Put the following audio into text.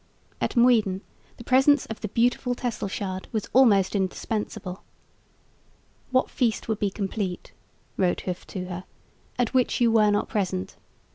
At Muiden the presence of the "beautiful" Tesselschade was almost indispensable. "What feast would be complete," wrote Hooft to her, "at which you were not present?